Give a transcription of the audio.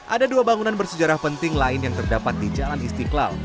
ada dua bangunan bersejarah penting lain yang terdapat di jalan istiqlal